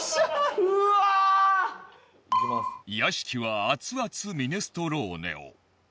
屋敷は熱々ミネストローネを。